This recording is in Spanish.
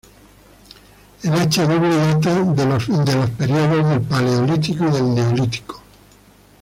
El hacha doble data en los períodos del paleolítico y del neolítico.